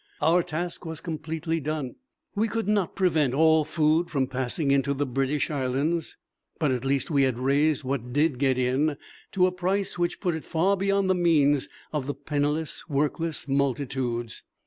Our task was completely done. We could not prevent all food from passing into the British Islands, but at least we had raised what did get in to a price which put it far beyond the means of the penniless, workless multitudes.